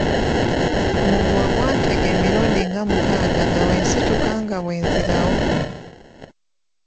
Omuguwa gwantega emirundi nga mukaaga nga bwe nsituka nga bwe nzirawo.